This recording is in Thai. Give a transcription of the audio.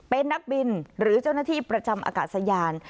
เป็นนักบินหรือเจ้าหน้าที่ประจำอากาศยาน